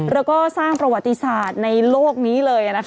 แล้วก็สร้างประวัติศาสตร์ในโลกนี้เลย